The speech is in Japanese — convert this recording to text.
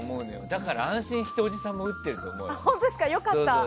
だから安心しておじさんも打ってると思うよ。